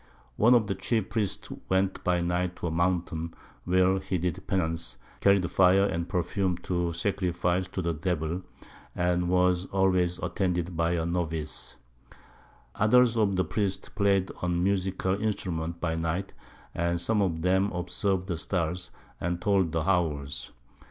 One of the chief Priests went by Night to a Mountain, where he did Penance, carried Fire and Perfume to sacrifice to the Devil, and was always attended by a Novice; others of the Priests play'd on Musical Instruments by Night, and some of 'em observ'd the Stars, and told the Hours.